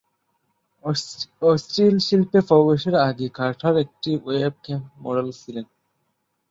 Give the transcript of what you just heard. অশ্লীল শিল্পে প্রবেশের আগে কার্টার একটি ওয়েবক্যাম মডেল ছিলেন।